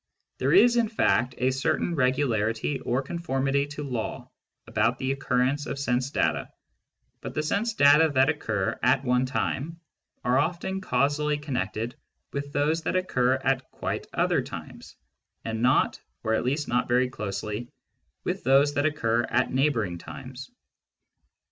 There is in fact a certain regularity or conformity to law about the occurrence of sense data, but the sense data that occur at one time are often causally connected with those that occur at quite other times, and not, or at least not very closely, with those that occur at neighbouring times.